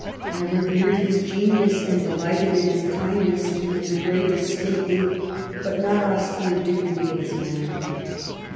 I revered his genius, and delighted in his kindness and in the grave and stately but not austere dignity of his manner.